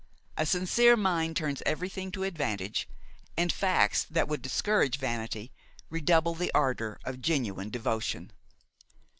A sincere mind turns everything to advantage, and facts that would discourage vanity redouble the ardor of genuine devotion.